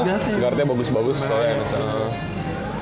guard guardnya bagus bagus soalnya nsa